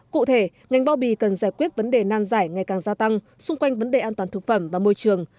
cụ thể ngành bao bì cần giải quyết vấn đề nan giải ngày càng gia tăng xung quanh vấn đề an toàn thực phẩm và môi trường